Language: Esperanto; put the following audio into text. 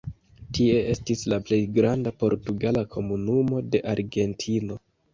Tie estis la plej granda portugala komunumo de Argentino.